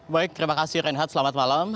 baik terima kasih reinhard selamat malam